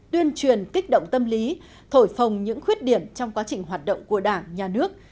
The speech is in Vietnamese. tuyên truyền kích động tâm lý thổi phồng những khuyết điểm trong quá trình hoạt động của đảng nhà nước